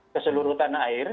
keseluruhan tanah air